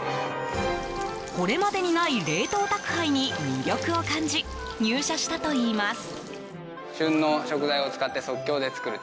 これまでにない冷凍宅配に魅力を感じ入社したといいます。